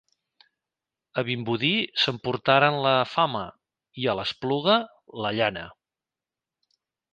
A Vimbodí s'emportaren la fama i a l'Espluga, la llana.